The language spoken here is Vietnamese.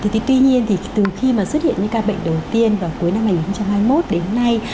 thế tuy nhiên thì từ khi mà xuất hiện những ca bệnh đầu tiên vào cuối năm hai nghìn hai mươi một đến nay